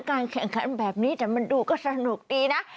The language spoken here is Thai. การแข่งขันแบบนี้แต่มันดูก็สนุกดีนะ